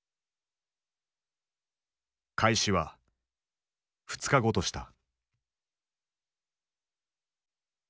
開始は２日後とした。